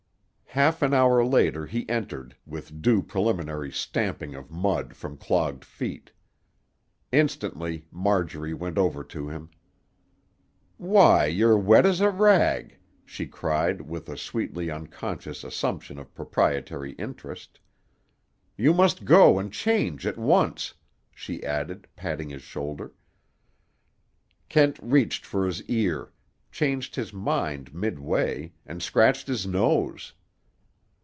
Half an hour later he entered, with due preliminary stamping of mud from clogged feet. Instantly Marjorie went over to him. "Why, you're wet as a rag!" she cried with a sweetly unconscious assumption of proprietary interest. "You must go and change at once!" she added, patting his shoulder. Kent reached for his ear, changed his mind midway, and scratched his nose.